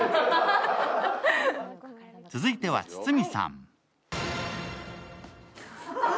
続いては堤さん。